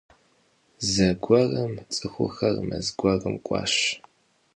Зэгуэрым цӀыхухэр мэз гуэрым кӀуащ.